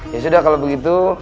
ya sudah kalau begitu